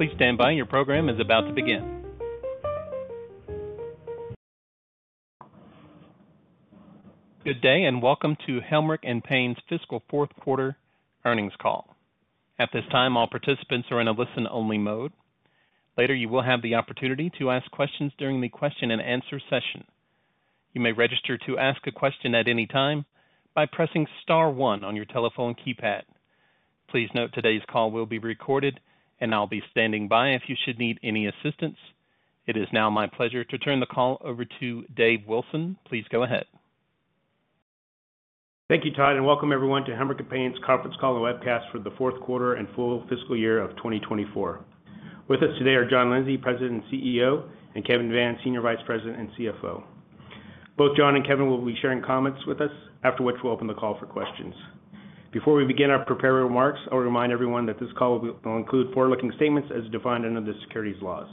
Please stand by, your program is about to begin. Good day and welcome to Helmerich & Payne's Fiscal Fourth Quarter earnings call. At this time, all participants are in a listen-only mode. Later, you will have the opportunity to ask questions during the question-and-answer session. You may register to ask a question at any time by pressing star one on your telephone keypad. Please note today's call will be recorded, and I'll be standing by if you should need any assistance. It is now my pleasure to turn the call over to Dave Wilson. Please go ahead. Thank you, Todd, and welcome everyone to Helmerich & Payne's Conference Call and Webcast for the fourth quarter and full fiscal year of 2024. With us today are John Lindsay, President and CEO, and Kevin Vann, Senior Vice President and CFO. Both John and Kevin will be sharing comments with us, after which we'll open the call for questions. Before we begin our prepared remarks, I'll remind everyone that this call will include forward-looking statements as defined under the securities laws.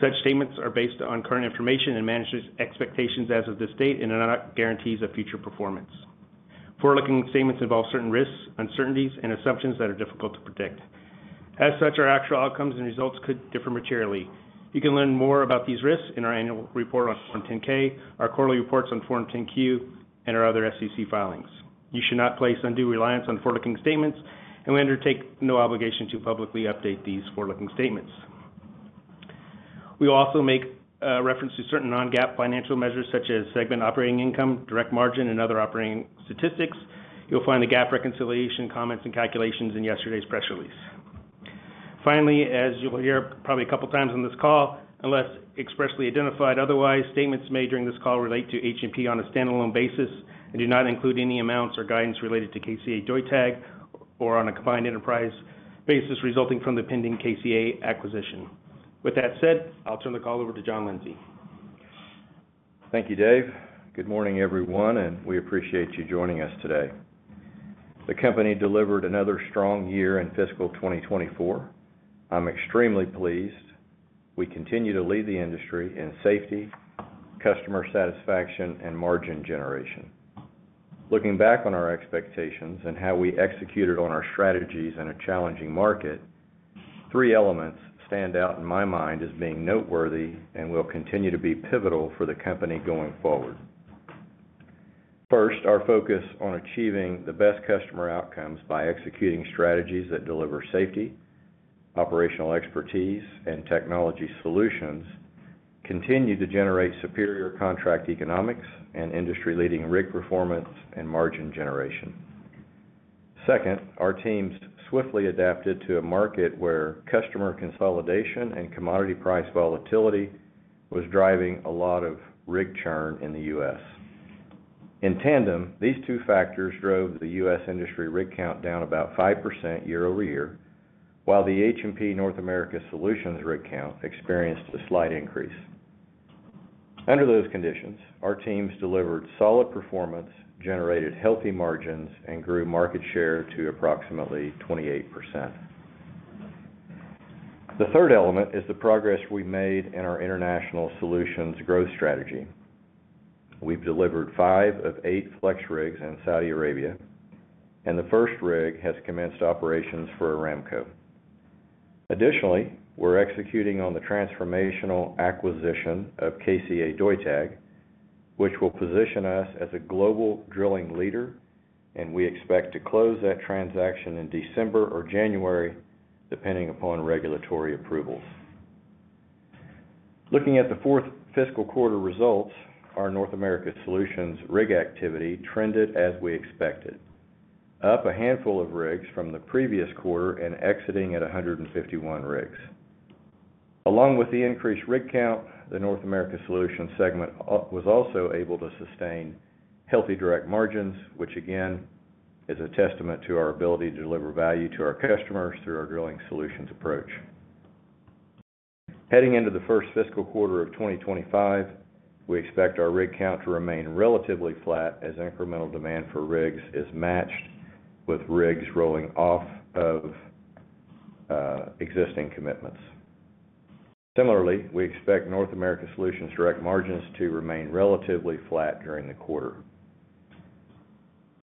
Such statements are based on current information and management expectations as of this date and are not guarantees of future performance. Forward-looking statements involve certain risks, uncertainties, and assumptions that are difficult to predict. As such, our actual outcomes and results could differ materially. You can learn more about these risks in our annual report on Form 10-K, our quarterly reports on Form 10-Q, and our other SEC filings. You should not place undue reliance on forward-looking statements, and we undertake no obligation to publicly update these forward-looking statements. We will also make reference to certain non-GAAP financial measures such as segment operating income, direct margin, and other operating statistics. You'll find the GAAP reconciliation comments and calculations in yesterday's press release. Finally, as you'll hear probably a couple of times on this call, unless expressly identified otherwise, statements made during this call relate to H&P on a standalone basis and do not include any amounts or guidance related to KCA Deutag or on a combined enterprise basis resulting from the pending KCA Deutag acquisition. With that said, I'll turn the call over to John Lindsay. Thank you, Dave. Good morning, everyone, and we appreciate you joining us today. The company delivered another strong year in fiscal 2024. I'm extremely pleased. We continue to lead the industry in safety, customer satisfaction, and margin generation. Looking back on our expectations and how we executed on our strategies in a challenging market, three elements stand out in my mind as being noteworthy and will continue to be pivotal for the company going forward. First, our focus on achieving the best customer outcomes by executing strategies that deliver safety, operational expertise, and technology solutions continued to generate superior contract economics and industry-leading rig performance and margin generation. Second, our teams swiftly adapted to a market where customer consolidation and commodity price volatility was driving a lot of rig churn in the U.S. In tandem, these two factors drove the U.S. Industry rig count down about 5% year-over-year, while the H&P North America Solutions rig count experienced a slight increase. Under those conditions, our teams delivered solid performance, generated healthy margins, and grew market share to approximately 28%. The third element is the progress we made in our International Solutions growth strategy. We've delivered five of eight Flex Rigs in Saudi Arabia, and the first rig has commenced operations for Aramco. Additionally, we're executing on the transformational acquisition of KCA Deutag, which will position us as a global drilling leader, and we expect to close that transaction in December or January, depending upon regulatory approvals. Looking at the fourth fiscal quarter results, our North America Solutions rig activity trended as we expected, up a handful of rigs from the previous quarter and exiting at 151 rigs. Along with the increased rig count, the North America Solutions segment was also able to sustain healthy direct margins, which again is a testament to our ability to deliver value to our customers through our drilling solutions approach. Heading into the first fiscal quarter of 2025, we expect our rig count to remain relatively flat as incremental demand for rigs is matched with rigs rolling off of existing commitments. Similarly, we expect North America Solutions direct margins to remain relatively flat during the quarter.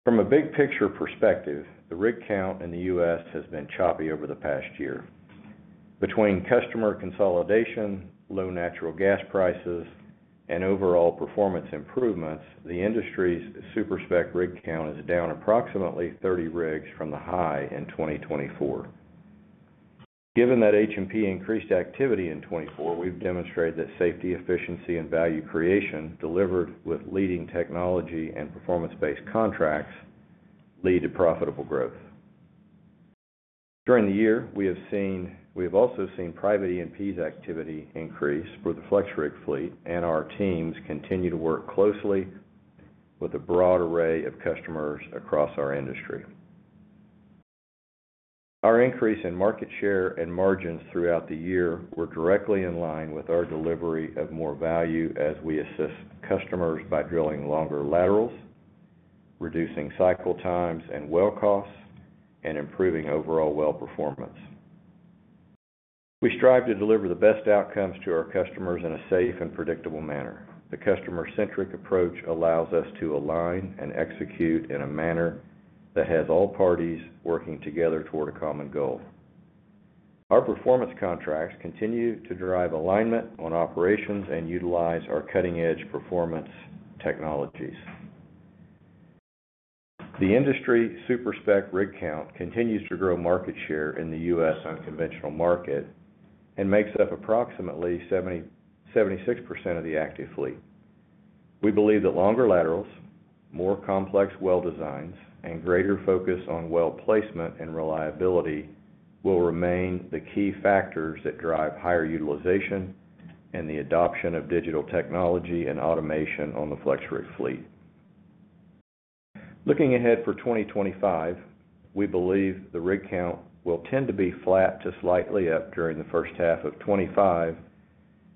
From a big picture perspective, the rig count in the U.S. has been choppy over the past year. Between customer consolidation, low natural gas prices, and overall performance improvements, the industry's super-spec rig count is down approximately 30 rigs from the high in 2024. Given that H&P increased activity in 2024, we've demonstrated that safety, efficiency, and value creation delivered with leading technology and performance-based contracts lead to profitable growth. During the year, we have also seen private E&P's activity increase for the FlexRig fleet, and our teams continue to work closely with a broad array of customers across our industry. Our increase in market share and margins throughout the year were directly in line with our delivery of more value as we assist customers by drilling longer laterals, reducing cycle times and well costs, and improving overall well performance. We strive to deliver the best outcomes to our customers in a safe and predictable manner. The customer-centric approach allows us to align and execute in a manner that has all parties working together toward a common goal. Our performance contracts continue to drive alignment on operations and utilize our cutting-edge performance technologies. The industry super-spec rig count continues to grow market share in the U.S. unconventional market and makes up approximately 76% of the active fleet. We believe that longer laterals, more complex well designs, and greater focus on well placement and reliability will remain the key factors that drive higher utilization and the adoption of digital technology and automation on the FlexRig fleet. Looking ahead for 2025, we believe the rig count will tend to be flat to slightly up during the first half of 2025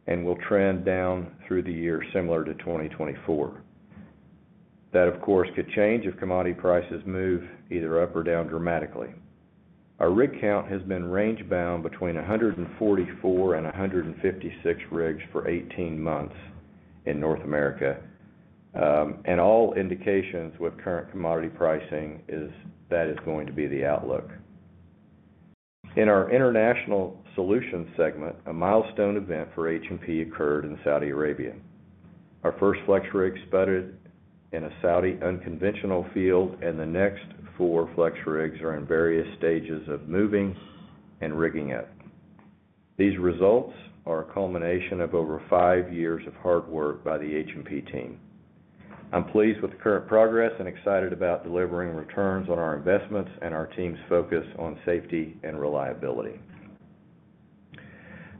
and will trend down through the year similar to 2024. That, of course, could change if commodity prices move either up or down dramatically. Our rig count has been range-bound between 144 and 156 rigs for 18 months in North America, and all indications with current commodity pricing is that is going to be the outlook. In our International Solutions segment, a milestone event for H&P occurred in Saudi Arabia. Our first FlexRig spudded in a Saudi unconventional field, and the next four FlexRigs are in various stages of moving and rigging up. These results are a culmination of over five years of hard work by the H&P team. I'm pleased with the current progress and excited about delivering returns on our investments and our team's focus on safety and reliability.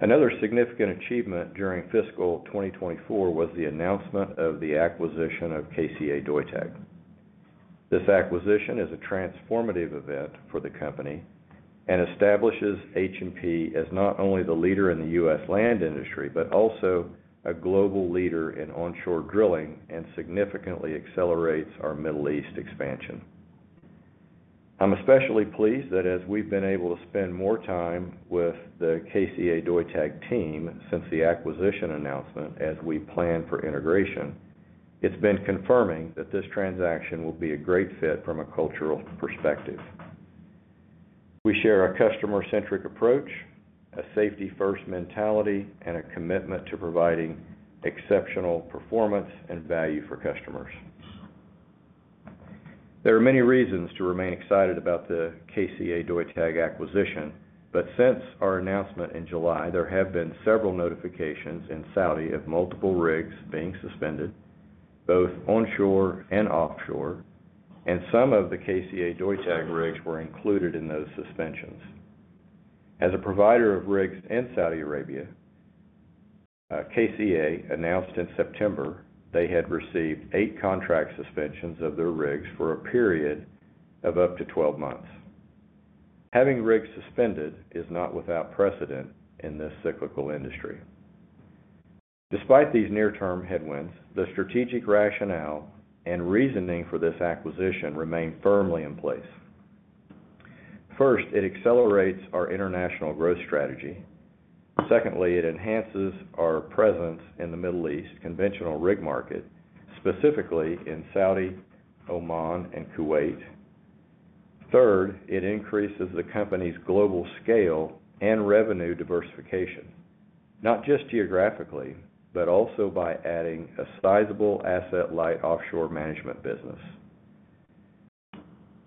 Another significant achievement during fiscal 2024 was the announcement of the acquisition of KCA Deutag. This acquisition is a transformative event for the company and establishes H&P as not only the leader in the U.S. land industry but also a global leader in onshore drilling and significantly accelerates our Middle East expansion. I'm especially pleased that as we've been able to spend more time with the KCA Deutag team since the acquisition announcement, as we plan for integration, it's been confirming that this transaction will be a great fit from a cultural perspective. We share a customer-centric approach, a safety-first mentality, and a commitment to providing exceptional performance and value for customers. There are many reasons to remain excited about the KCA Deutag acquisition, but since our announcement in July, there have been several notifications in Saudi of multiple rigs being suspended, both onshore and offshore, and some of the KCA Deutag rigs were included in those suspensions. As a provider of rigs in Saudi Arabia, KCA announced in September they had received eight contract suspensions of their rigs for a period of up to 12 months. Having rigs suspended is not without precedent in this cyclical industry. Despite these near-term headwinds, the strategic rationale and reasoning for this acquisition remain firmly in place. First, it accelerates our international growth strategy. Secondly, it enhances our presence in the Middle East conventional rig market, specifically in Saudi, Oman, and Kuwait. Third, it increases the company's global scale and revenue diversification, not just geographically, but also by adding a sizable asset-light offshore management business.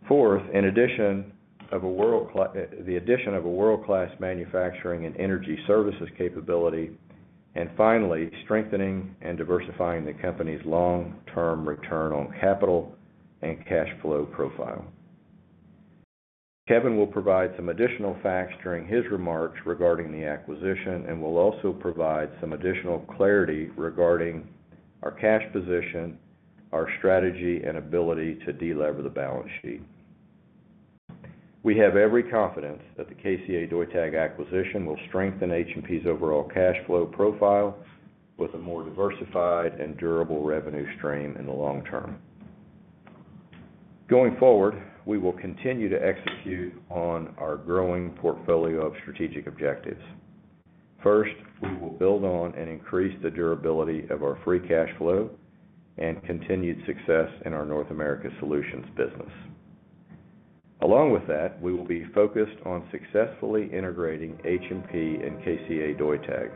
Fourth, in addition to the world-class manufacturing and energy services capability, and finally, strengthening and diversifying the company's long-term return on capital and cash flow profile. Kevin will provide some additional facts during his remarks regarding the acquisition and will also provide some additional clarity regarding our cash position, our strategy, and ability to delever the balance sheet. We have every confidence that the KCA Deutag acquisition will strengthen H&P's overall cash flow profile with a more diversified and durable revenue stream in the long term. Going forward, we will continue to execute on our growing portfolio of strategic objectives. First, we will build on and increase the durability of our free cash flow and continued success in our North America Solutions business. Along with that, we will be focused on successfully integrating H&P and KCA Deutag,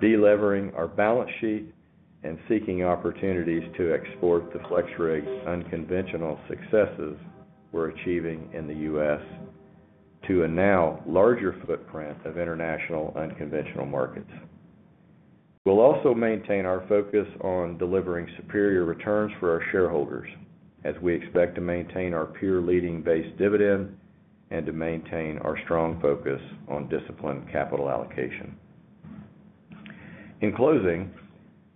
delivering our balance sheet and seeking opportunities to export the FlexRig unconventional successes we're achieving in the U.S. to a now larger footprint of international unconventional markets. We'll also maintain our focus on delivering superior returns for our shareholders as we expect to maintain our peer-leading base dividend and to maintain our strong focus on disciplined capital allocation. In closing,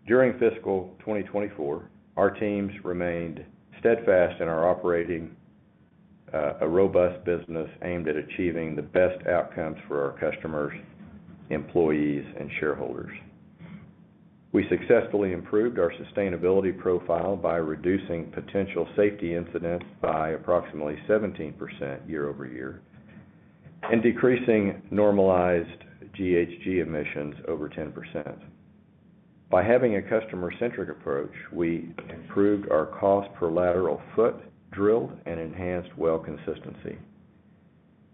during fiscal 2024, our teams remained steadfast in our operating a robust business aimed at achieving the best outcomes for our customers, employees, and shareholders. We successfully improved our sustainability profile by reducing potential safety incidents by approximately 17% year-over-year and decreasing normalized GHG emissions over 10%. By having a customer-centric approach, we improved our cost per lateral foot drilled and enhanced well consistency.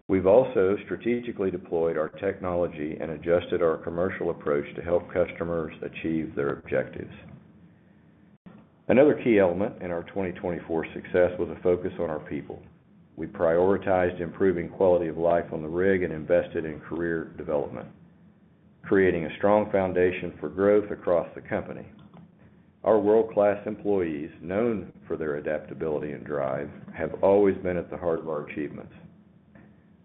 We've also strategically deployed our technology and adjusted our commercial approach to help customers achieve their objectives. Another key element in our 2024 success was a focus on our people. We prioritized improving quality of life on the rig and invested in career development, creating a strong foundation for growth across the company. Our world-class employees, known for their adaptability and drive, have always been at the heart of our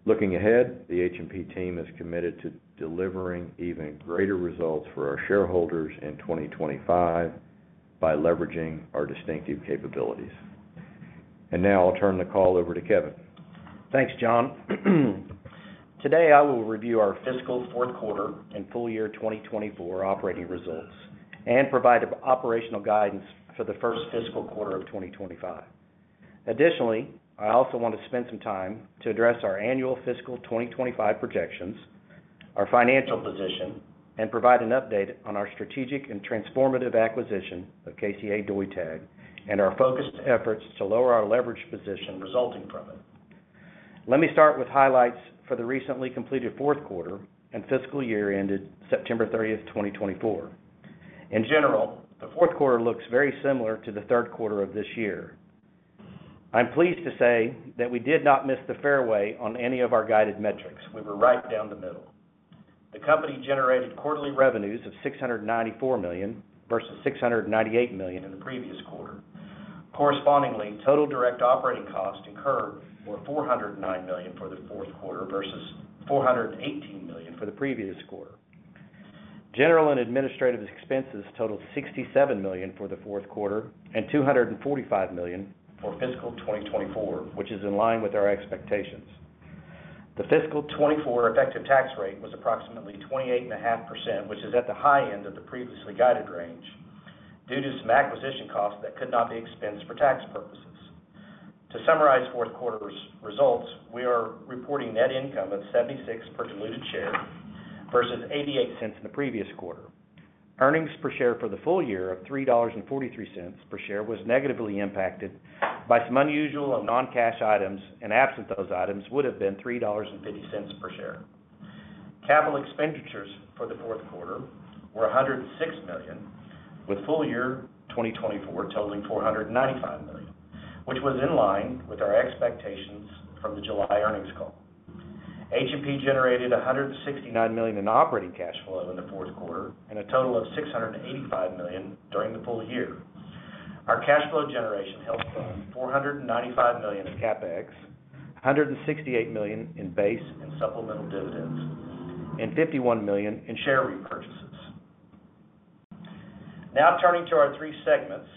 achievements. Looking ahead, the H&P team is committed to delivering even greater results for our shareholders in 2025 by leveraging our distinctive capabilities. And now I'll turn the call over to Kevin. Thanks, John. Today, I will review our fiscal fourth quarter and full year 2024 operating results and provide operational guidance for the first fiscal quarter of 2025. Additionally, I also want to spend some time to address our annual fiscal 2025 projections, our financial position, and provide an update on our strategic and transformative acquisition of KCA Deutag and our focused efforts to lower our leverage position resulting from it. Let me start with highlights for the recently completed fourth quarter and fiscal year ended September 30th, 2024. In general, the fourth quarter looks very similar to the third quarter of this year. I'm pleased to say that we did not miss the fairway on any of our guided metrics. We were right down the middle. The company generated quarterly revenues of $694 million versus $698 million in the previous quarter. Correspondingly, total direct operating costs incurred were $409 million for the fourth quarter versus $418 million for the previous quarter. General and administrative expenses totaled $67 million for the fourth quarter and $245 million for fiscal 2024, which is in line with our expectations. The fiscal 2024 effective tax rate was approximately 28.5%, which is at the high end of the previously guided range due to some acquisition costs that could not be expensed for tax purposes. To summarize fourth quarter results, we are reporting net income of $0.76 per diluted share versus $0.88 in the previous quarter. Earnings per share for the full year of $3.43 per share was negatively impacted by some unusual and non-cash items, and absent those items would have been $3.50 per share. Capital expenditures for the fourth quarter were $106 million, with full year 2024 totaling $495 million, which was in line with our expectations from the July earnings call. H&P generated $169 million in operating cash flow in the fourth quarter and a total of $685 million during the full year. Our cash flow generation helped fund $495 million in CapEx, $168 million in base and supplemental dividends, and $51 million in share repurchases. Now turning to our three segments,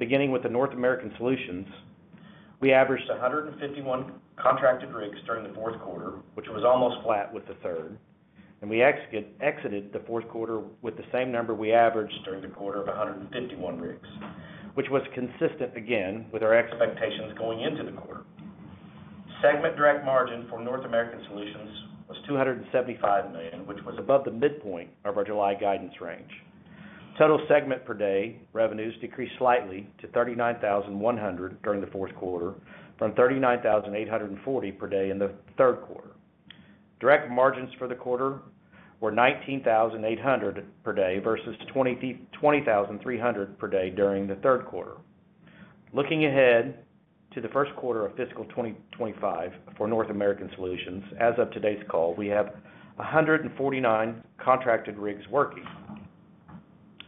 beginning with the North American Solutions, we averaged 151 contracted rigs during the fourth quarter, which was almost flat with the third, and we exited the fourth quarter with the same number we averaged during the quarter of 151 rigs, which was consistent again with our expectations going into the quarter. Segment direct margin for North American Solutions was $275 million, which was above the midpoint of our July guidance range. Total segment per day revenues decreased slightly to $39,100 during the fourth quarter from $39,840 per day in the third quarter. Direct margins for the quarter were $19,800 per day versus $20,300 per day during the third quarter. Looking ahead to the first quarter of fiscal 2025 for North American Solutions, as of today's call, we have 149 contracted rigs working.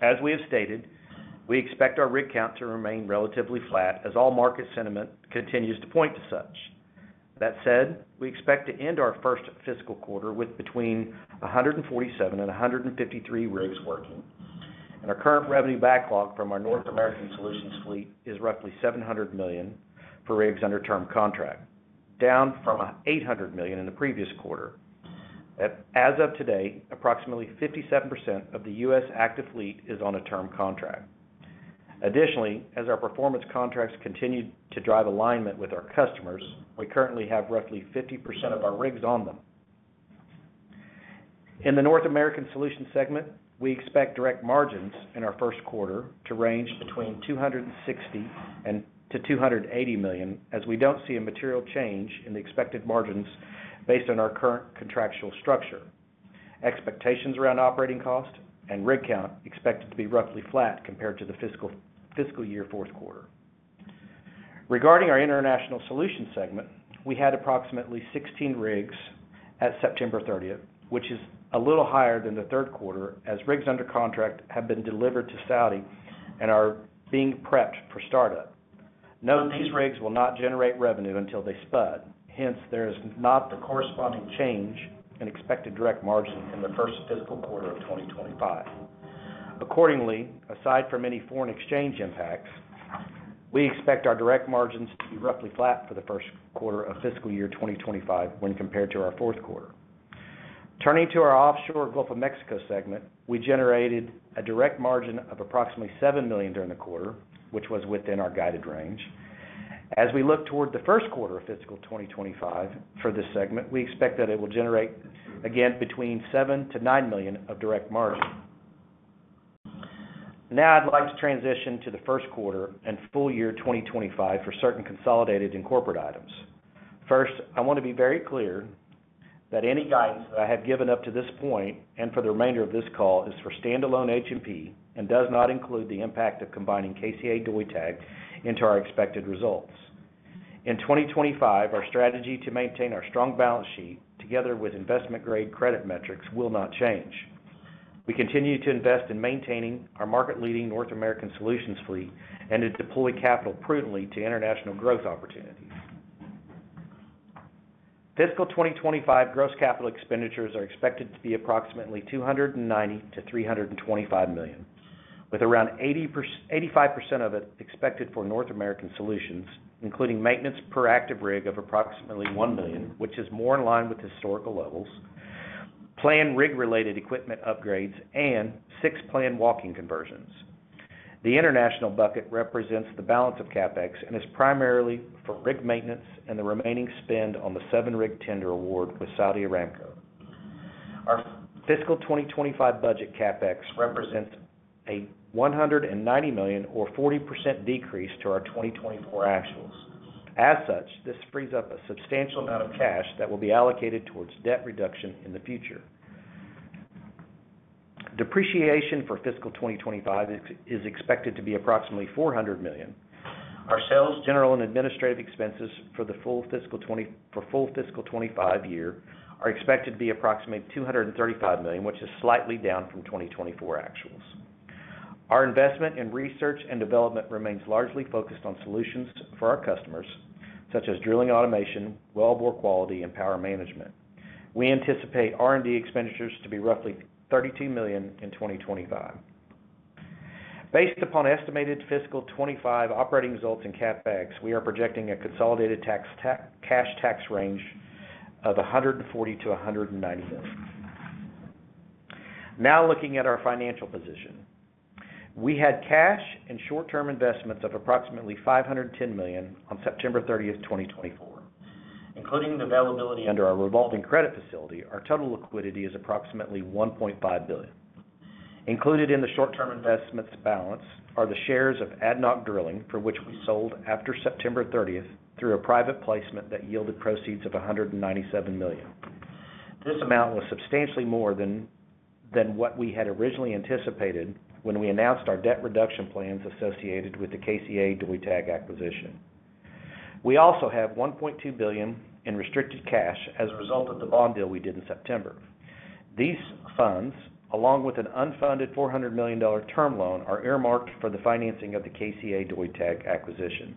As we have stated, we expect our rig count to remain relatively flat as all market sentiment continues to point to such. That said, we expect to end our first fiscal quarter with between 147 and 153 rigs working, and our current revenue backlog from our North American Solutions fleet is roughly $700 million for rigs under term contract, down from $800 million in the previous quarter. As of today, approximately 57% of the U.S. active fleet is on a term contract. Additionally, as our performance contracts continue to drive alignment with our customers, we currently have roughly 50% of our rigs on them. In the North American Solutions segment, we expect direct margins in our first quarter to range between $260 million and $280 million as we don't see a material change in the expected margins based on our current contractual structure. Expectations around operating cost and rig count expected to be roughly flat compared to the fiscal year fourth quarter. Regarding our International Solution segment, we had approximately 16 rigs as of September 30th, which is a little higher than the third quarter as rigs under contract have been delivered to Saudi and are being prepped for startup. Note these rigs will not generate revenue until they spud. Hence, there is not the corresponding change in expected direct margin in the first fiscal quarter of 2025. Accordingly, aside from any foreign exchange impacts, we expect our direct margins to be roughly flat for the first quarter of fiscal year 2025 when compared to our fourth quarter. Turning to our offshore Gulf of Mexico segment, we generated a direct margin of approximately $7 million during the quarter, which was within our guided range. As we look toward the first quarter of fiscal 2025 for this segment, we expect that it will generate again between $7-$9 million of direct margin. Now I'd like to transition to the first quarter and full year 2025 for certain consolidated and corporate items. First, I want to be very clear that any guidance that I have given up to this point and for the remainder of this call is for standalone H&P and does not include the impact of combining KCA Deutag into our expected results. In 2025, our strategy to maintain our strong balance sheet together with investment-grade credit metrics will not change. We continue to invest in maintaining our market-leading North American Solutions fleet and to deploy capital prudently to international growth opportunities. Fiscal 2025 gross capital expenditures are expected to be approximately $290 million-$325 million, with around 85% of it expected for North American Solutions, including maintenance per active rig of approximately $1 million, which is more in line with historical levels, planned rig-related equipment upgrades, and 6 planned walking conversions. The international bucket represents the balance of CapEx and is primarily for rig maintenance and the remaining spend on the 7-rig tender award with Saudi Aramco. Our fiscal 2025 budget CapEx represents a $190 million or 40% decrease to our 2024 actuals. As such, this frees up a substantial amount of cash that will be allocated towards debt reduction in the future. Depreciation for fiscal 2025 is expected to be approximately $400 million. Our sales, general, and administrative expenses for the full fiscal 2025 year are expected to be approximately $235 million, which is slightly down from 2024 actuals. Our investment in research and development remains largely focused on solutions for our customers, such as drilling automation, wellbore quality, and power management. We anticipate R&D expenditures to be roughly $32 million in 2025. Based upon estimated fiscal 2025 operating results and CapEx, we are projecting a consolidated cash tax range of $140 million-$190 million. Now looking at our financial position, we had cash and short-term investments of approximately $510 million on September 30th, 2024. Including the availability under our revolving credit facility, our total liquidity is approximately $1.5 billion. Included in the short-term investments balance are the shares of ADNOC Drilling, for which we sold after September 30th through a private placement that yielded proceeds of $197 million. This amount was substantially more than what we had originally anticipated when we announced our debt reduction plans associated with the KCA Deutag acquisition. We also have $1.2 billion in restricted cash as a result of the bond deal we did in September. These funds, along with an unfunded $400 million term loan, are earmarked for the financing of the KCA Deutag acquisition.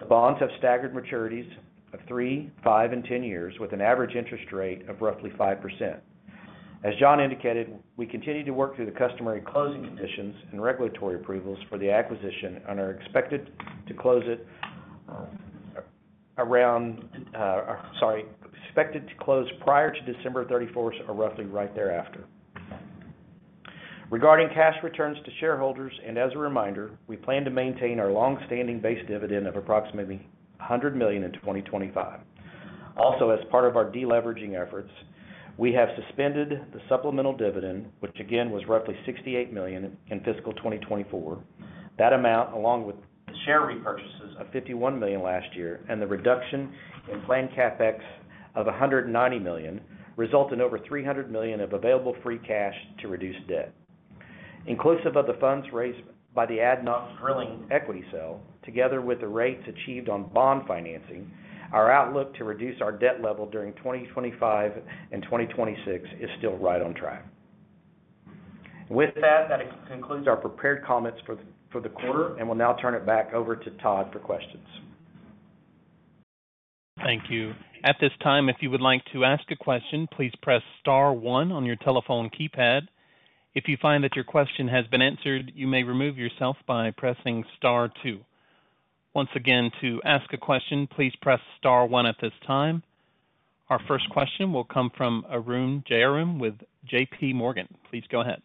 The bonds have staggered maturities of 3, 5, and 10 years with an average interest rate of roughly 5%. As John indicated, we continue to work through the customary closing conditions and regulatory approvals for the acquisition and are expected to close it around, sorry, expected to close prior to December 31st or roughly right thereafter. Regarding cash returns to shareholders and as a reminder, we plan to maintain our long-standing base dividend of approximately $100 million in 2025. Also, as part of our deleveraging efforts, we have suspended the supplemental dividend, which again was roughly $68 million in fiscal 2024. That amount, along with the share repurchases of $51 million last year and the reduction in planned CapEx of $190 million, result in over $300 million of available free cash to reduce debt. Inclusive of the funds raised by the ADNOC Drilling equity sale, together with the rates achieved on bond financing, our outlook to reduce our debt level during 2025 and 2026 is still right on track. With that, that concludes our prepared comments for the quarter, and we'll now turn it back over to Todd for questions. Thank you. At this time, if you would like to ask a question, please press star one on your telephone keypad. If you find that your question has been answered, you may remove yourself by pressing star two Once again, to ask a question, please press star one at this time. Our first question will come from Arun Jayaram with J.P. Morgan. Please go ahead.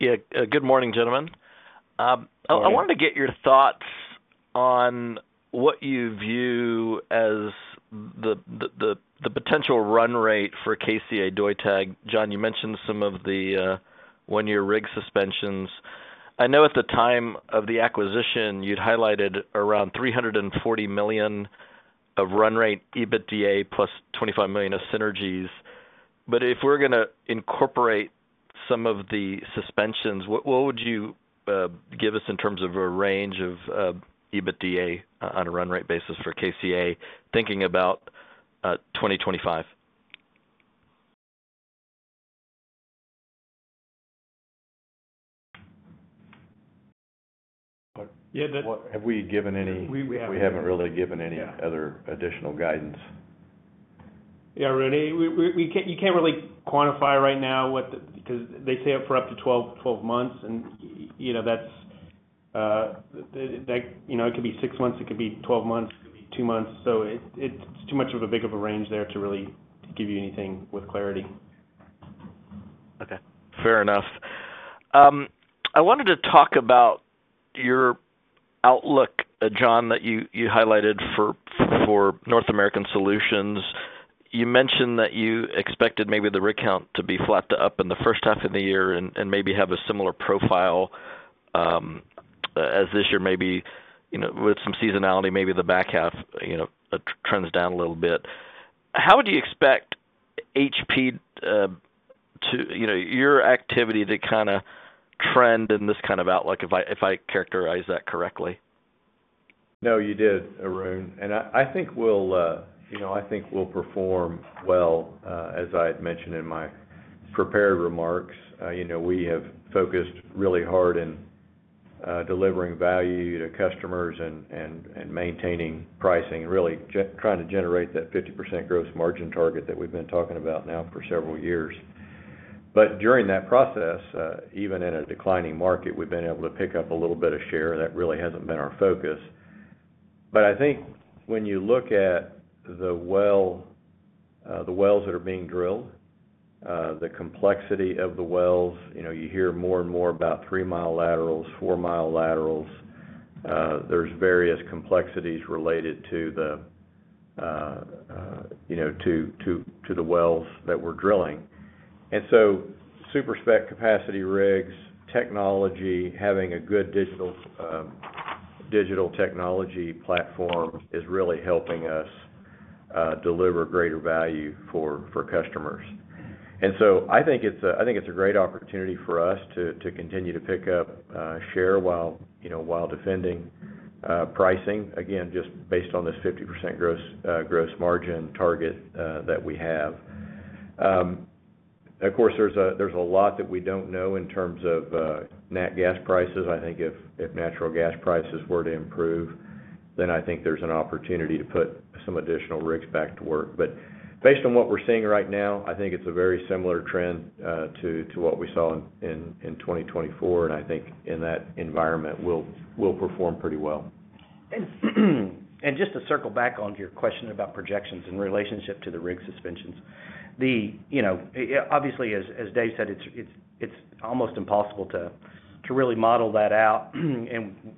Yeah. Good morning, gentlemen. I wanted to get your thoughts on what you view as the potential run rate for KCA Deutag. John, you mentioned some of the one-year rig suspensions. I know at the time of the acquisition, you'd highlighted around $340 million of run rate EBITDA plus $25 million of synergies. But if we're going to incorporate some of the suspensions, what would you give us in terms of a range of EBITDA on a run rate basis for KCA, thinking about 2025? Yeah. Have we given any? We haven't really given any other additional guidance. Yeah, really. You can't really quantify right now because they say up for up to 12 months, and that's, it could be 6 months, it could be 12 months, it could be 2 months. So it's too much of a big of a range there to really give you anything with clarity. Okay. Fair enough. I wanted to talk about your outlook, John, that you highlighted for North American Solutions. You mentioned that you expected maybe the rig count to be flat to up in the first half of the year and maybe have a similar profile as this year, maybe with some seasonality, maybe the back half trends down a little bit. How would you expect H&P's activity to kind of trend in this kind of outlook if I characterize that correctly? No, you did, Arun, and I think we'll perform well, as I had mentioned in my prepared remarks. We have focused really hard in delivering value to customers and maintaining pricing, really trying to generate that 50% gross margin target that we've been talking about now for several years, but during that process, even in a declining market, we've been able to pick up a little bit of share. That really hasn't been our focus, but I think when you look at the wells that are being drilled, the complexity of the wells, you hear more and more about three-mile laterals, four-mile laterals. There's various complexities related to the wells that we're drilling, and so super-spec capacity rigs, technology, having a good digital technology platform is really helping us deliver greater value for customers. And so I think it's a great opportunity for us to continue to pick up share while defending pricing, again, just based on this 50% gross margin target that we have. Of course, there's a lot that we don't know in terms of natural gas prices. I think if natural gas prices were to improve, then I think there's an opportunity to put some additional rigs back to work. But based on what we're seeing right now, I think it's a very similar trend to what we saw in 2024. And I think in that environment, we'll perform pretty well. And just to circle back onto your question about projections in relationship to the rig suspensions, obviously, as Dave said, it's almost impossible to really model that out.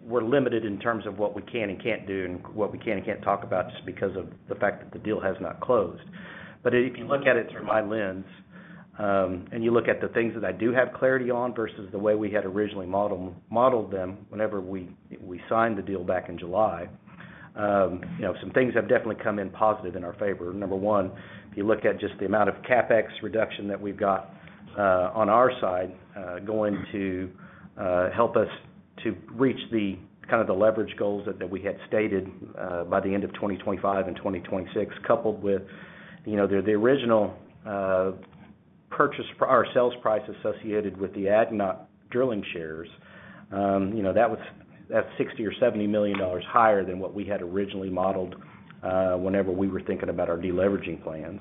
We're limited in terms of what we can and can't do and what we can and can't talk about just because of the fact that the deal has not closed. If you look at it through my lens and you look at the things that I do have clarity on versus the way we had originally modeled them whenever we signed the deal back in July, some things have definitely come in positive in our favor. Number one, if you look at just the amount of CapEx reduction that we've got on our side going to help us to reach the kind of the leverage goals that we had stated by the end of 2025 and 2026, coupled with the original purchase or sales price associated with the ADNOC Drilling shares, that's $60 million or $70 million higher than what we had originally modeled whenever we were thinking about our deleveraging plans.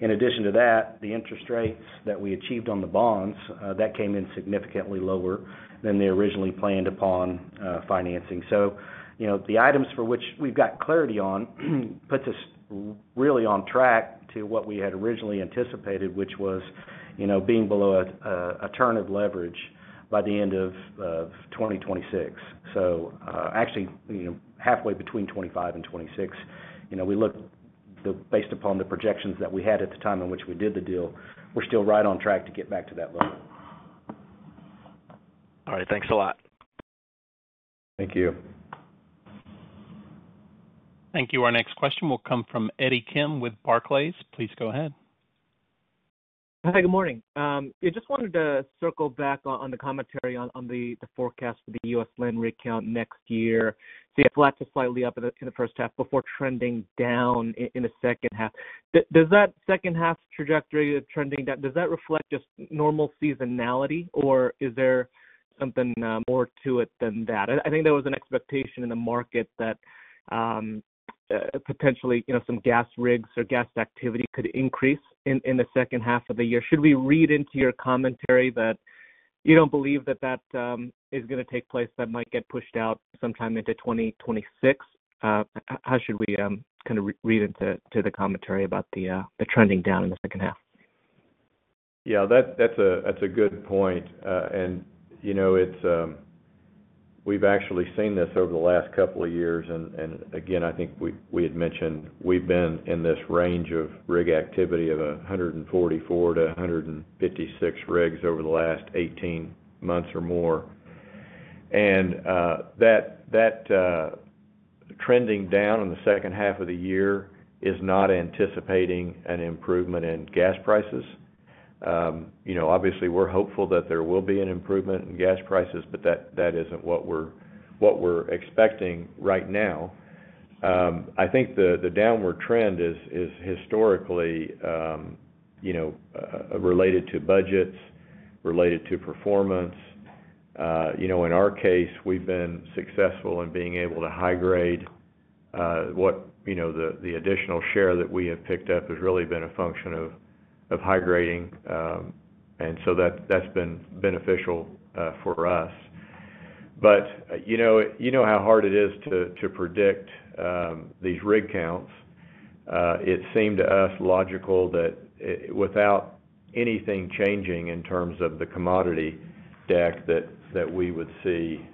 In addition to that, the interest rates that we achieved on the bonds, that came in significantly lower than the originally planned upon financing. So the items for which we've got clarity on puts us really on track to what we had originally anticipated, which was being below a turn of leverage by the end of 2026. So actually, halfway between 25 and 26, we looked based upon the projections that we had at the time in which we did the deal, we're still right on track to get back to that level. All right. Thanks a lot. Thank you. Thank you. Our next question will come from Eddie Kim with Barclays. Please go ahead. Hi, good morning. I just wanted to circle back on the commentary on the forecast for the U.S. land rig count next year. We see a flat to slightly up in the first half before trending down in the second half. Does that second half trajectory of trending down, does that reflect just normal seasonality, or is there something more to it than that? I think there was an expectation in the market that potentially some gas rigs or gas activity could increase in the second half of the year. Should we read into your commentary that you don't believe that that is going to take place, that might get pushed out sometime into 2026? How should we kind of read into the commentary about the trending down in the second half? Yeah, that's a good point, and we've actually seen this over the last couple of years. And again, I think we had mentioned we've been in this range of rig activity of 144-156 rigs over the last 18 months or more. And that trending down in the second half of the year is not anticipating an improvement in gas prices. Obviously, we're hopeful that there will be an improvement in gas prices, but that isn't what we're expecting right now. I think the downward trend is historically related to budgets, related to performance. In our case, we've been successful in being able to high grade. The additional share that we have picked up has really been a function of high grading, and so that's been beneficial for us, but you know how hard it is to predict these rig counts. It seemed to us logical that without anything changing in terms of the commodity deck that we would see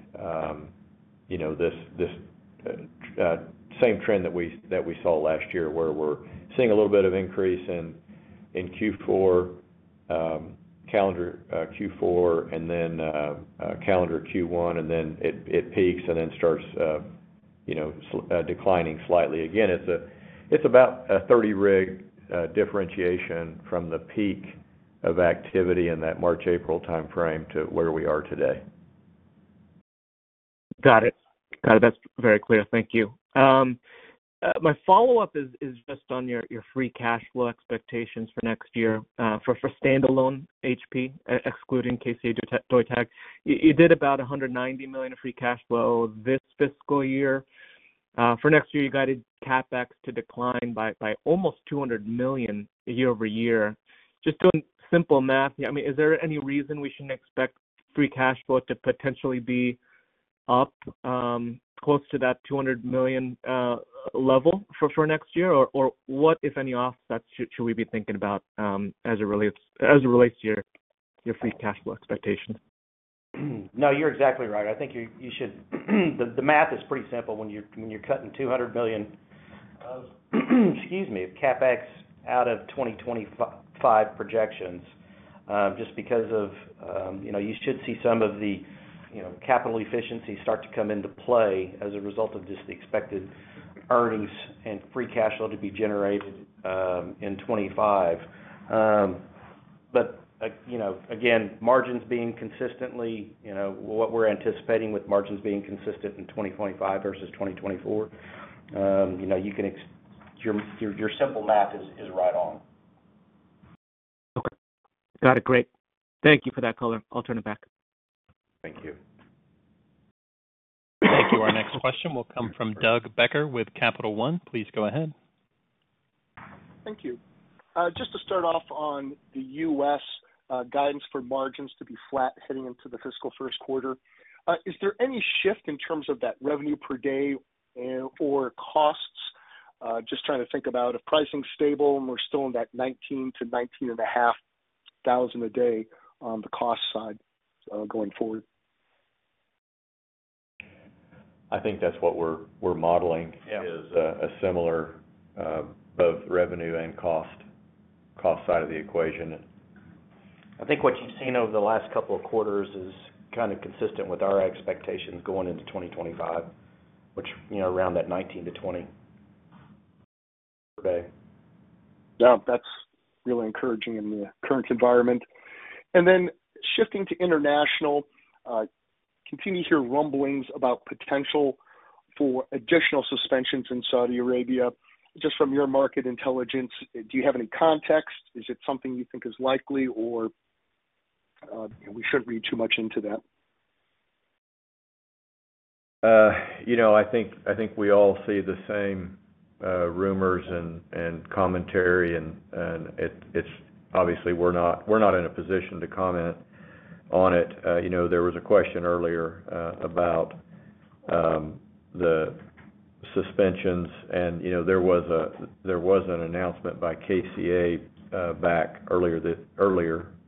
this same trend that we saw last year where we're seeing a little bit of increase in Q4, calendar Q4, and then calendar Q1, and then it peaks and then starts declining slightly. Again, it's about a 30-rig differentiation from the peak of activity in that March-April timeframe to where we are today. Got it. Got it. That's very clear. Thank you. My follow-up is just on your free cash flow expectations for next year for standalone H&P, excluding KCA Deutag. You did about $190 million of free cash flow this fiscal year. For next year, you guided CapEx to decline by almost $200 million year over year. Just doing simple math, I mean, is there any reason we shouldn't expect free cash flow to potentially be up close to that $200 million level for next year? Or what, if any, offsets should we be thinking about as it relates to your free cash flow expectations? No, you're exactly right. I think the math is pretty simple when you're cutting $200 million, excuse me, CapEx out of 2025 projections just because you should see some of the capital efficiency start to come into play as a result of just the expected earnings and free cash flow to be generated in 2025. But again, margins being consistently, what we're anticipating with margins being consistent in 2025 versus 2024, your simple math is right on. Okay. Got it. Great. Thank you for that, Kevin. I'll turn it back. Thank you. Thank you. Our next question will come from Doug Becker with Capital One. Please go ahead. Thank you. Just to start off on the U.S. guidance for margins to be flat heading into the fiscal first quarter, is there any shift in terms of that revenue per day or costs? Just trying to think about if pricing's stable and we're still in that $19,000 to $19,500 a day on the cost side going forward. I think that's what we're modeling is a similar both revenue and cost side of the equation. I think what you've seen over the last couple of quarters is kind of consistent with our expectations going into 2025, which is around that $19,000-$20,000 per day. Yeah. That's really encouraging in the current environment. And then, shifting to international, continue to hear rumblings about potential for additional suspensions in Saudi Arabia. Just from your market intelligence, do you have any context? Is it something you think is likely, or we shouldn't read too much into that? I think we all see the same rumors and commentary. And obviously, we're not in a position to comment on it. There was a question earlier about the suspensions, and there was an announcement by KCA Deutag back earlier,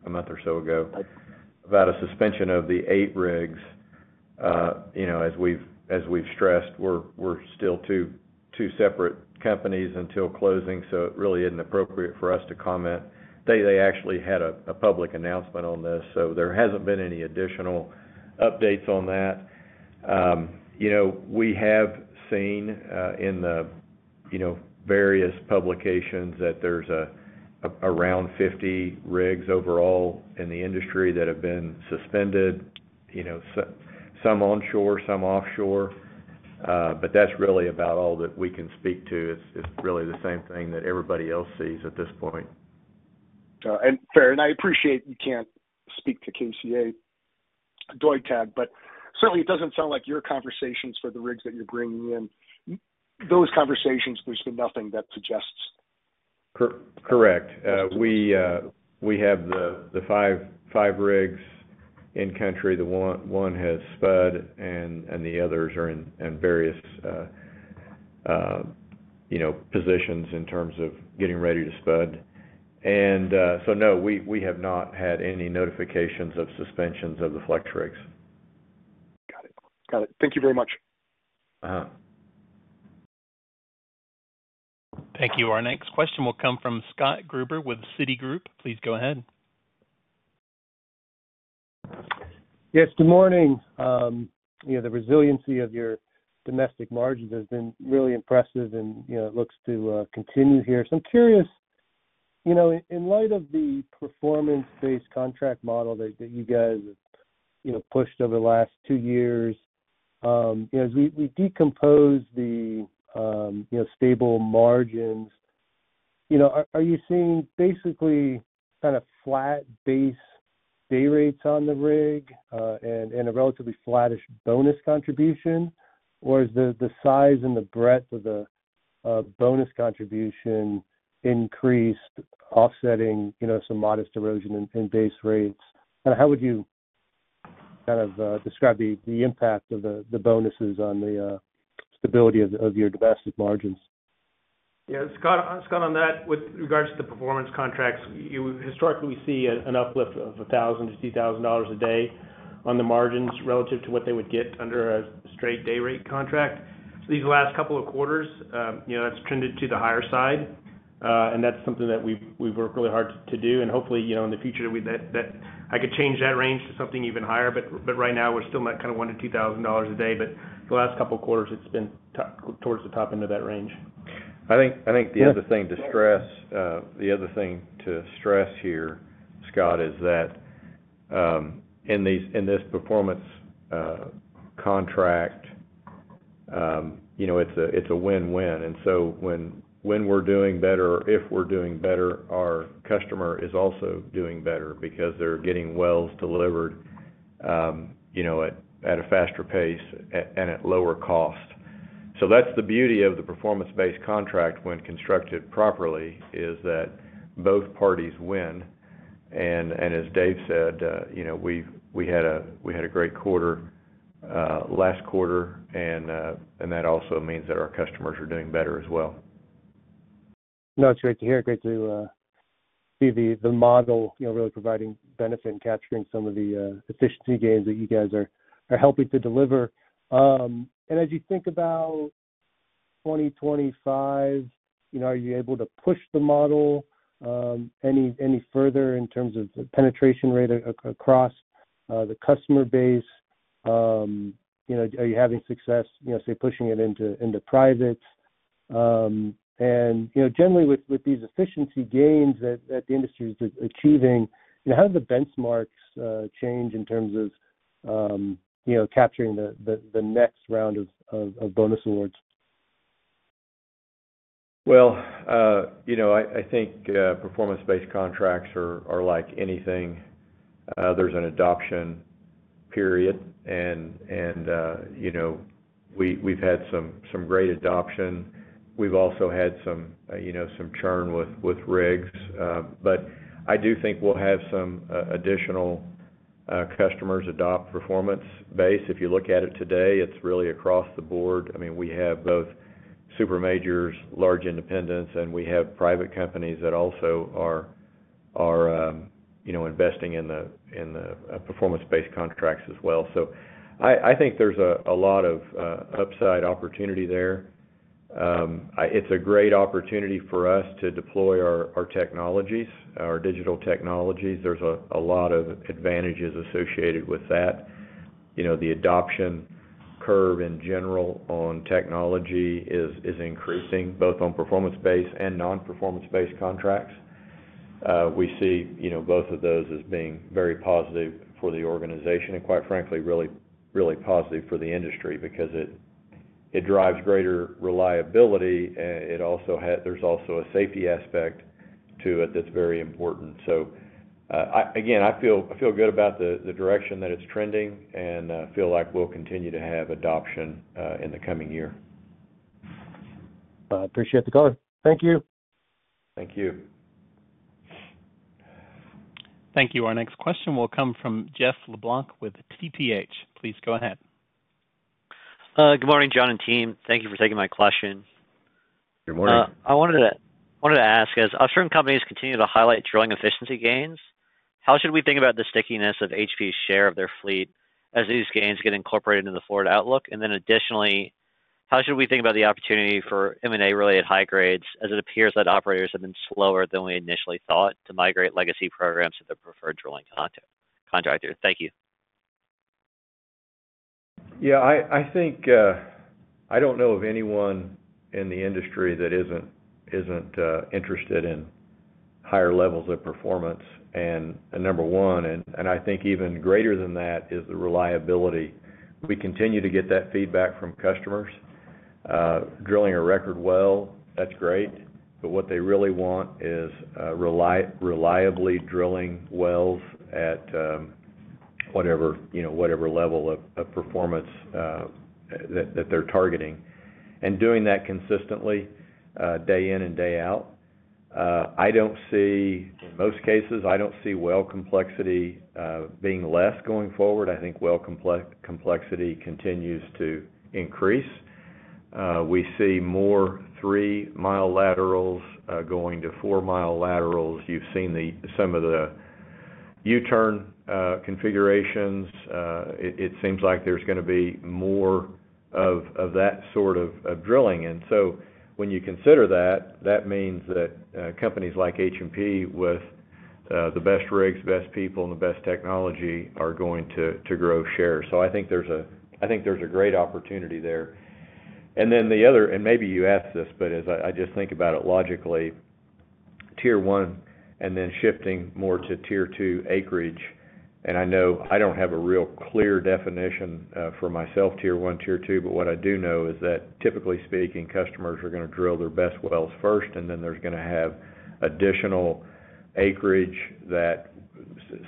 a month or so ago, about a suspension of the eight rigs. As we've stressed, we're still two separate companies until closing, so it really isn't appropriate for us to comment. They actually had a public announcement on this, so there hasn't been any additional updates on that. We have seen in the various publications that there's around 50 rigs overall in the industry that have been suspended, some onshore, some offshore. But that's really about all that we can speak to. It's really the same thing that everybody else sees at this point. And fair. And I appreciate you can't speak to KCA Deutag, but certainly, it doesn't sound like your conversations for the rigs that you're bringing in, those conversations, there's been nothing that suggests. Correct. We have the five rigs in country. One has spudded, and the others are in various positions in terms of getting ready to spud. And so no, we have not had any notifications of suspensions of the Flex rigs. Got it. Got it. Thank you very much. Thank you. Our next question will come from Scott Gruber with Citigroup. Please go ahead. Yes. Good morning. The resiliency of your domestic margins has been really impressive, and it looks to continue here. So I'm curious, in light of the performance-based contract model that you guys have pushed over the last two years, as we decompose the stable margins, are you seeing basically kind of flat base day rates on the rig and a relatively flattish bonus contribution? Or has the size and the breadth of the bonus contribution increased, offsetting some modest erosion in base rates? And how would you kind of describe the impact of the bonuses on the stability of your domestic margins? Yeah. Scott on that, with regards to the performance contracts, historically, we see an uplift of $1,000-$2,000 a day on the margins relative to what they would get under a straight day rate contract. So these last couple of quarters, that's trended to the higher side. That's something that we've worked really hard to do. And hopefully, in the future, I could change that range to something even higher. But right now, we're still at kind of $1,000-$2,000 a day. But the last couple of quarters, it's been towards the top end of that range. I think the other thing to stress, the other thing to stress here, Scott, is that in this performance contract, it's a win-win. And so when we're doing better, if we're doing better, our customer is also doing better because they're getting wells delivered at a faster pace and at lower cost. So that's the beauty of the performance-based contract when constructed properly, is that both parties win. And as Dave said, we had a great quarter last quarter, and that also means that our customers are doing better as well. No, it's great to hear. Great to see the model really providing benefit and capturing some of the efficiency gains that you guys are helping to deliver. And as you think about 2025, are you able to push the model any further in terms of penetration rate across the customer base? Are you having success, say, pushing it into private? And generally, with these efficiency gains that the industry is achieving, how do the benchmarks change in terms of capturing the next round of bonus awards? Well, I think performance-based contracts are like anything. There's an adoption period, and we've had some great adoption. We've also had some churn with rigs. But I do think we'll have some additional customers adopt performance-based. If you look at it today, it's really across the board. I mean, we have both super majors, large independents, and we have private companies that also are investing in the performance-based contracts as well. So I think there's a lot of upside opportunity there. It's a great opportunity for us to deploy our technologies, our digital technologies. There's a lot of advantages associated with that. The adoption curve in general on technology is increasing, both on performance-based and non-performance-based contracts. We see both of those as being very positive for the organization and, quite frankly, really positive for the industry because it drives greater reliability. There's also a safety aspect to it that's very important. So again, I feel good about the direction that it's trending and feel like we'll continue to have adoption in the coming year. I appreciate the call. Thank you. Thank you. Thank you. Our next question will come from Jeff LeBlanc with TPH. Please go ahead. Good morning, John and team. Thank you for taking my question. Good morning. I wanted to ask, as certain companies continue to highlight drilling efficiency gains, how should we think about the stickiness of HP's share of their fleet as these gains get incorporated into the forward outlook? And then additionally, how should we think about the opportunity for M&A-related high grades as it appears that operators have been slower than we initially thought to migrate legacy programs to their preferred drilling contractor? Thank you. Yeah. I don't know of anyone in the industry that isn't interested in higher levels of performance. And number one, and I think even greater than that, is the reliability. We continue to get that feedback from customers. Drilling a record well, that's great. But what they really want is reliably drilling wells at whatever level of performance that they're targeting. Doing that consistently day in and day out, I don't see, in most cases, well complexity being less going forward. I think well complexity continues to increase. We see more three-mile laterals going to four-mile laterals. You've seen some of the U-turn configurations. It seems like there's going to be more of that sort of drilling. And so when you consider that, that means that companies like H&P with the best rigs, best people, and the best technology are going to grow shares. So I think there's a great opportunity there. And then the other, and maybe you asked this, but as I just think about it logically, tier one and then shifting more to tier two acreage. And I know I don't have a real clear definition for myself, tier one, tier two, but what I do know is that, typically speaking, customers are going to drill their best wells first, and then there's going to have additional acreage that,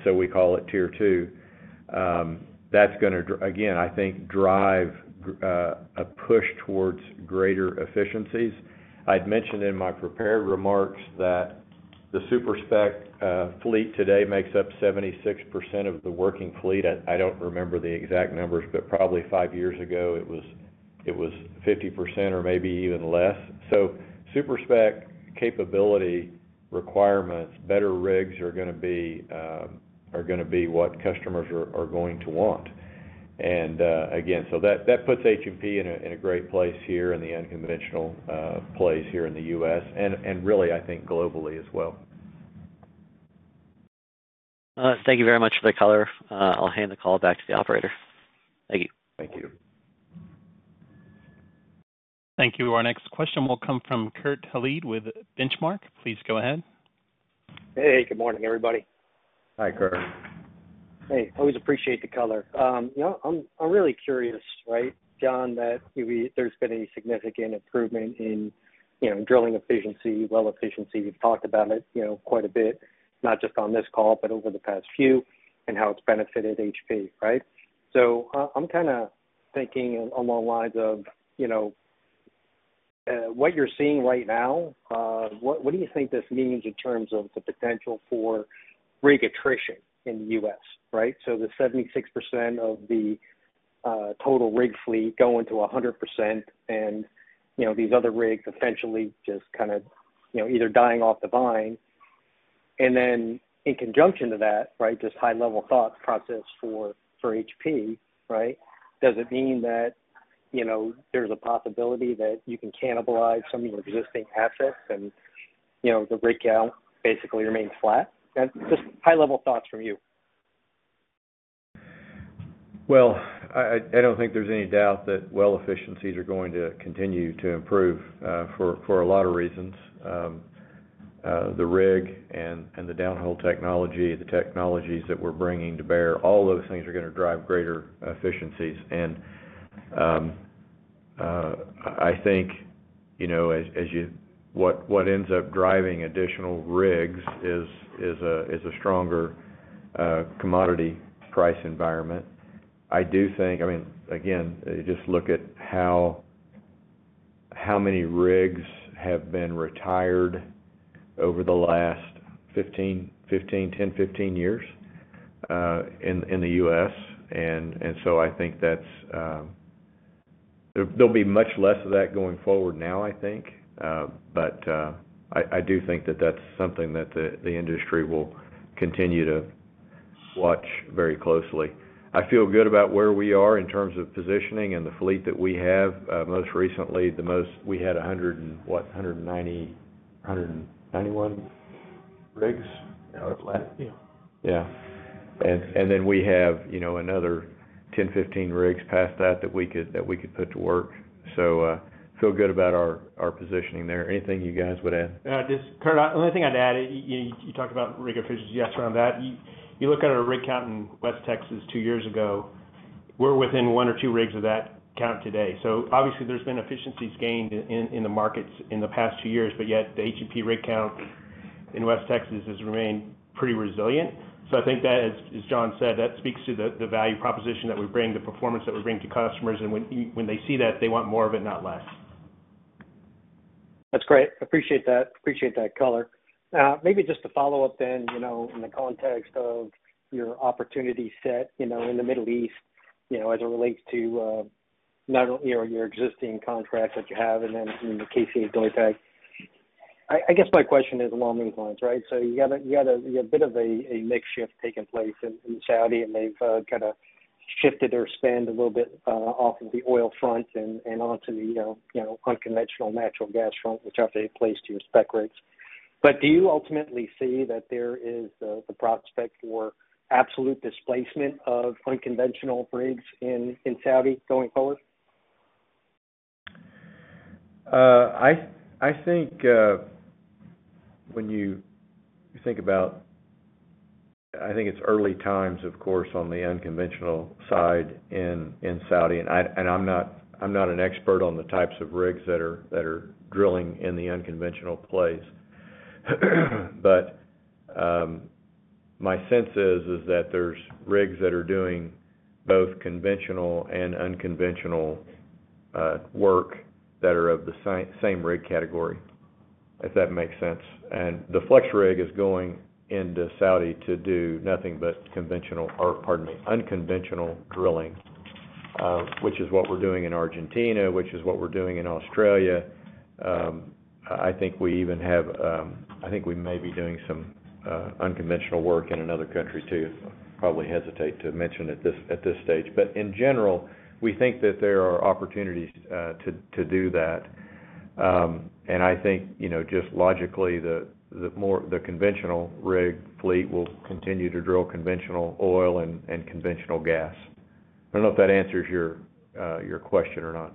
so we call it tier two. That's going to, again, I think, drive a push towards greater efficiencies. I'd mentioned in my prepared remarks that the super-spec fleet today makes up 76% of the working fleet. I don't remember the exact numbers, but probably five years ago, it was 50% or maybe even less. So super-spec capability requirements, better rigs are going to be what customers are going to want. And again, so that puts H&P in a great place here in the unconventional place here in the U.S. and really, I think, globally as well. Thank you very much for the color. I'll hand the call back to the operator. Thank you. Thank you. Thank you. Our next question will come from Kurt Hallead with Benchmark. Please go ahead. Hey. Good morning, everybody. Hi, Kurt. Hey. Always appreciate the color. I'm really curious, right, John, that there's been any significant improvement in drilling efficiency, well efficiency. We've talked about it quite a bit, not just on this call, but over the past few, and how it's benefited HP, right? So I'm kind of thinking along lines of what you're seeing right now. What do you think this means in terms of the potential for rig attrition in the U.S., right? So the 76% of the total rig fleet going to 100% and these other rigs essentially just kind of either dying on the vine. And then in conjunction to that, right, this high-level thought process for H&P, right, does it mean that there's a possibility that you can cannibalize some of your existing assets and the rig count basically remains flat? Just high-level thoughts from you. Well, I don't think there's any doubt that well efficiencies are going to continue to improve for a lot of reasons. The rig and the downhole technology, the technologies that we're bringing to bear, all those things are going to drive greater efficiencies. And I think as you what ends up driving additional rigs is a stronger commodity price environment. I do think, I mean, again, just look at how many rigs have been retired over the last 15, 10, 15 years in the U.S. And so I think that's there'll be much less of that going forward now, I think. But I do think that that's something that the industry will continue to watch very closely. I feel good about where we are in terms of positioning and the fleet that we have. Most recently, we had 100 and what, 190, 191 rigs? Yeah. And then we have another 10, 15 rigs past that that we could put to work. So I feel good about our positioning there. Anything you guys would add? Just Kurt, the only thing I'd add, you talked about rig efficiency, that's around that. You look at our rig count in West Texas two years ago, we're within one or two rigs of that count today. So obviously, there's been efficiencies gained in the markets in the past two years, but yet the H&P rig count in West Texas has remained pretty resilient. So I think that, as John said, that speaks to the value proposition that we bring, the performance that we bring to customers. And when they see that, they want more of it, not less. That's great. Appreciate that. Appreciate that color. Maybe just to follow up then in the context of your opportunity set in the Middle East as it relates to not only your existing contract that you have and then the KCA Deutag. I guess my question is along these lines, right? So you have a bit of a shift taking place in Saudi, and they've kind of shifted their spend a little bit off of the oil front and onto the unconventional natural gas front, which obviously plays to your spec rigs. But do you ultimately see that there is the prospect for absolute displacement of unconventional rigs in Saudi going forward? I think when you think about, I think it's early times, of course, on the unconventional side in Saudi, and I'm not an expert on the types of rigs that are drilling in the unconventional plays. But my sense is that there's rigs that are doing both conventional and unconventional work that are of the same rig category, if that makes sense, and the FlexRig is going into Saudi to do nothing but conventional or, pardon me, unconventional drilling, which is what we're doing in Argentina, which is what we're doing in Australia. I think we even have I think we may be doing some unconventional work in another country too. I probably hesitate to mention at this stage, but in general, we think that there are opportunities to do that, and I think just logically, the conventional rig fleet will continue to drill conventional oil and conventional gas. I don't know if that answers your question or not.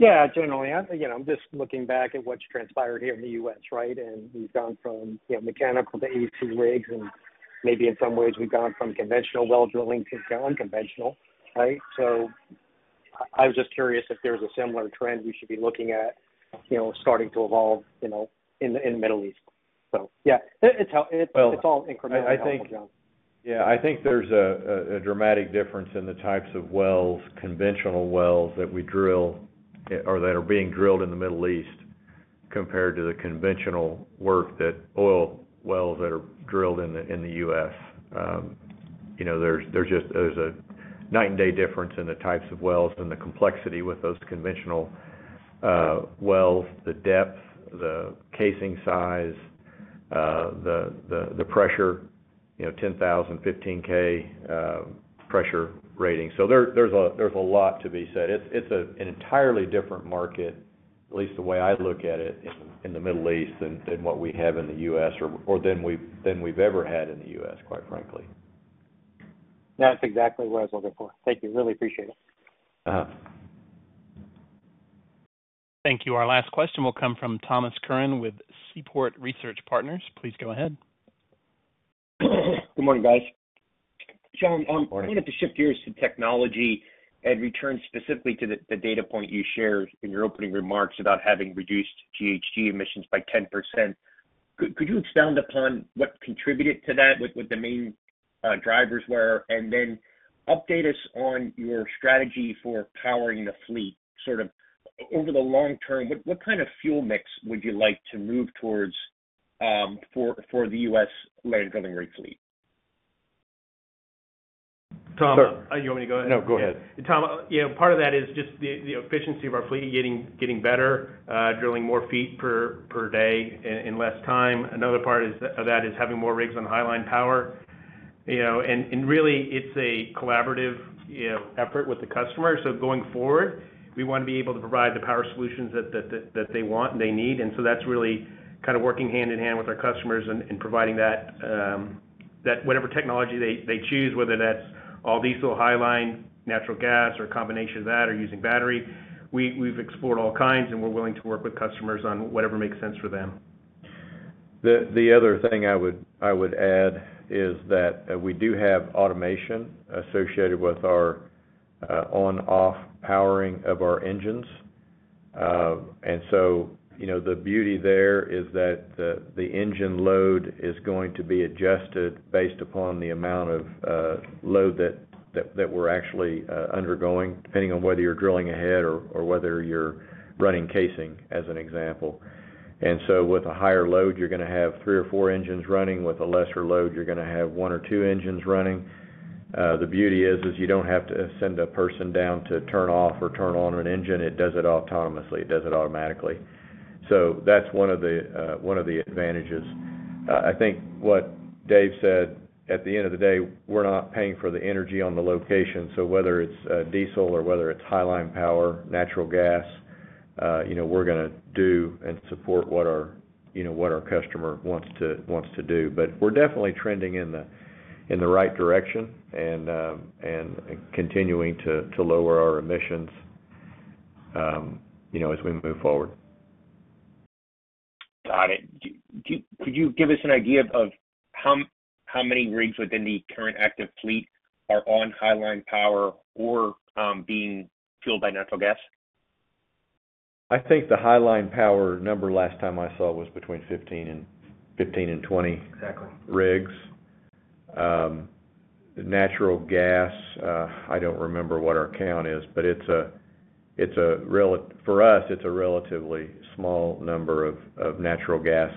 Yeah. Generally, I'm just looking back at what's transpired here in the U.S., right? We've gone from mechanical to AC rigs. Maybe in some ways, we've gone from conventional well drilling to unconventional, right? I was just curious if there's a similar trend we should be looking at starting to evolve in the Middle East. So yeah, it's all incremental knowledge, John. Yeah. I think there's a dramatic difference in the types of wells, conventional wells that we drill or that are being drilled in the Middle East compared to the conventional work that oil wells that are drilled in the U.S. There's a night and day difference in the types of wells and the complexity with those conventional wells, the depth, the casing size, the pressure, 10,000, 15K pressure rating. So there's a lot to be said. It's an entirely different market, at least the way I look at it in the Middle East than what we have in the U.S. or than we've ever had in the U.S., quite frankly. That's exactly what I was looking for. Thank you. Really appreciate it. Thank you. Our last question will come from Thomas Curran with Seaport Research Partners. Please go ahead. Good morning, guys. John, I wanted to shift gears to technology and return specifically to the data point you shared in your opening remarks about having reduced GHG emissions by 10%. Could you expound upon what contributed to that, what the main drivers were, and then update us on your strategy for powering the fleet? Sort of over the long term, what kind of fuel mix would you like to move towards for the U.S. land drilling rig fleet? Tom, you want me to go ahead? No, go ahead. Tom, part of that is just the efficiency of our fleet getting better, drilling more feet per day in less time. Another part of that is having more rigs on highline power. And really, it's a collaborative effort with the customer. So going forward, we want to be able to provide the power solutions that they want and they need. And so that's really kind of working hand in hand with our customers and providing that whatever technology they choose, whether that's all diesel, highline, natural gas, or a combination of that, or using battery. We've explored all kinds, and we're willing to work with customers on whatever makes sense for them. The other thing I would add is that we do have automation associated with our on-off powering of our engines. The beauty there is that the engine load is going to be adjusted based upon the amount of load that we're actually undergoing, depending on whether you're drilling ahead or whether you're running casing, as an example. With a higher load, you're going to have three or four engines running. With a lesser load, you're going to have one or two engines running. The beauty is you don't have to send a person down to turn off or turn on an engine. It does it autonomously. It does it automatically. That's one of the advantages. I think what Dave said, at the end of the day, we're not paying for the energy on the location. Whether it's diesel or whether it's highline power, natural gas, we're going to do and support what our customer wants to do. But we're definitely trending in the right direction and continuing to lower our emissions as we move forward. Got it. Could you give us an idea of how many rigs within the current active fleet are on highline power or being fueled by natural gas? I think the highline power number last time I saw was between 15 and 20 rigs. Natural gas, I don't remember what our count is, but for us, it's a relatively small number of natural gas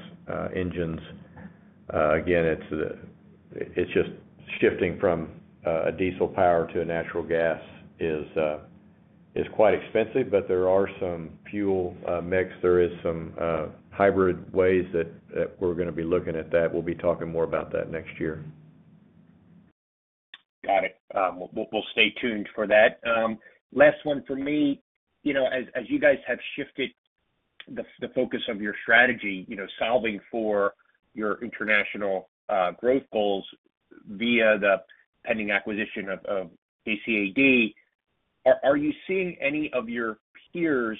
engines. Again, it's just shifting from a diesel power to a natural gas is quite expensive, but there are some fuel mix. There are some hybrid ways that we're going to be looking at that. We'll be talking more about that next year. Got it. We'll stay tuned for that. Last one for me. As you guys have shifted the focus of your strategy, solving for your international growth goals via the pending acquisition of KCA Deutag, are you seeing any of your peers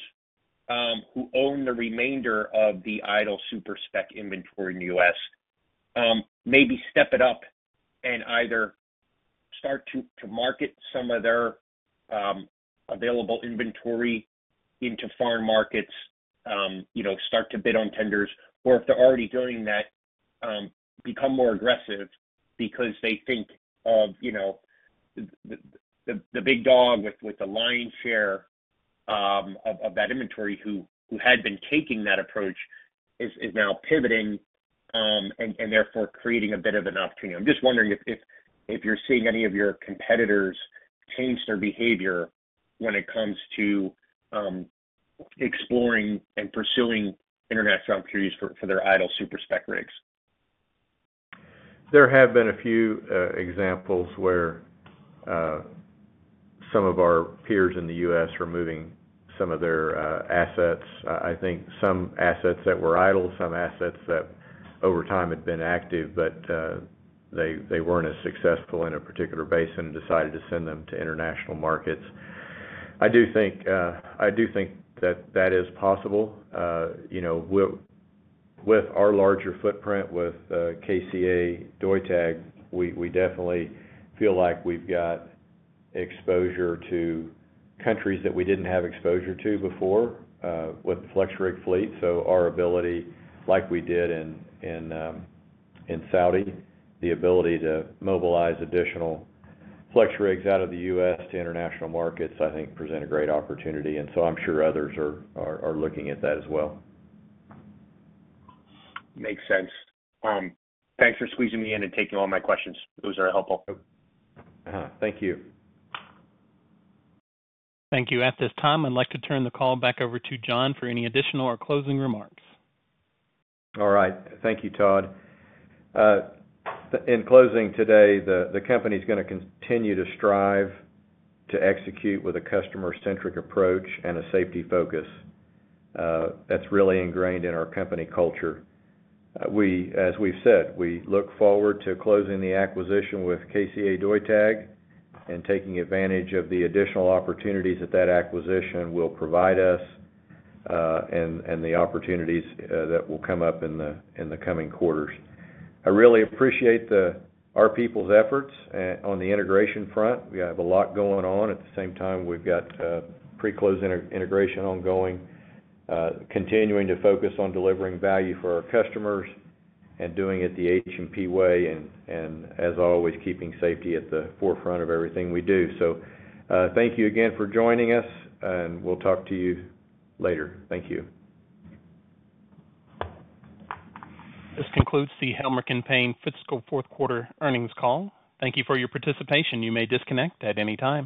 who own the remainder of the idle super-spec inventory in the U.S. maybe step it up and either start to market some of their available inventory into foreign markets, start to bid on tenders, or if they're already doing that, become more aggressive because they think of the big dog with the lion's share of that inventory who had been taking that approach is now pivoting and therefore creating a bit of an opportunity? I'm just wondering if you're seeing any of your competitors change their behavior when it comes to exploring and pursuing international opportunities for their idle super-spec rigs. There have been a few examples where some of our peers in the U.S. were moving some of their assets. I think some assets that were idle, some assets that over time had been active, but they weren't as successful in a particular basin and decided to send them to international markets. I do think that that is possible. With our larger footprint with KCA Deutag, we definitely feel like we've got exposure to countries that we didn't have exposure to before with the FlexRig fleet. So our ability, like we did in Saudi, the ability to mobilize additional FlexRigs out of the U.S. to international markets, I think, presents a great opportunity. And so I'm sure others are looking at that as well. Makes sense. Thanks for squeezing me in and taking all my questions. It was very helpful. Thank you. Thank you. At this time, I'd like to turn the call back over to John for any additional or closing remarks. All right. Thank you, Todd. In closing today, the company is going to continue to strive to execute with a customer-centric approach and a safety focus. That's really ingrained in our company culture. As we've said, we look forward to closing the acquisition with KCA Deutag and taking advantage of the additional opportunities that that acquisition will provide us and the opportunities that will come up in the coming quarters. I really appreciate our people's efforts on the integration front. We have a lot going on. At the same time, we've got pre-closing integration ongoing, continuing to focus on delivering value for our customers and doing it the H&P Way and, as always, keeping safety at the forefront of everything we do. So thank you again for joining us, and we'll talk to you later. Thank you. This concludes the Helmerich & Payne Fiscal Fourth Quarter Earnings Call. Thank you for your participation. You may disconnect at any time.